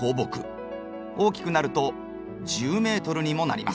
大きくなると１０ｍにもなります。